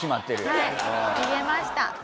はい逃げました。